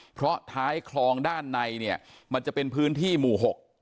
เพราะท้ายคลองด้านในเนี่ยมันจะเป็นพื้นที่หมู่๖